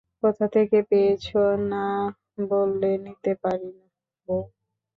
কোথা থেকে পেয়েছ না বললে নিতে পারি না বৌ।